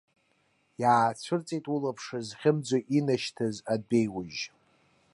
Иаацәырҵит улаԥш зхьымӡо инашьҭыз адәеиужь.